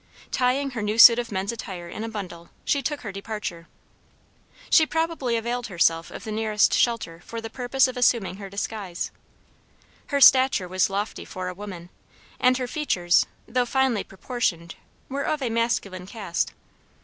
Tieing her new suit of men's attire in a bundle, she took her departure. She probably availed herself of the nearest shelter for the purpose of assuming her disguise. Her stature was lofty for a woman, and her features, though finely proportioned, were of a masculine cast.